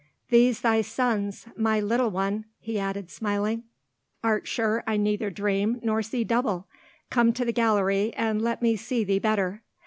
These thy sons, my little one?" he added, smiling. "Art sure I neither dream nor see double! Come to the gallery, and let me see thee better."